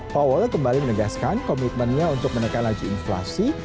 paul kembali menegaskan komitmennya untuk menekan laju inflasi